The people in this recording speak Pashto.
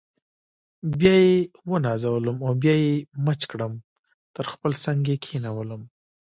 بیا یې ونازولم او بیا یې مچ کړم تر خپل څنګ یې کښېنولم.